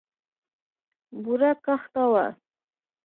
بوره کاخته وه.